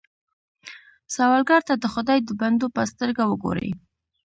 سوالګر ته د خدای د بندو په سترګه وګورئ